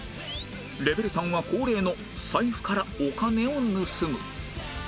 レベル３は恒例の「財布からお金を盗む」